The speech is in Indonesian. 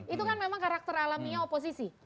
itu kan memang karakter alaminya oposisi